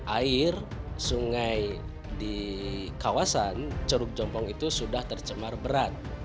air sungai di kawasan ceruk jompong itu sudah tercemar berat